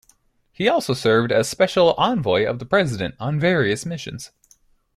He also served as Special Envoy of the President on various missions.